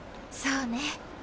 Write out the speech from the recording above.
そうね。